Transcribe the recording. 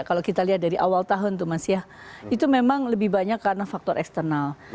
kalau kita lihat dari awal tahun itu memang lebih banyak karena faktor eksternal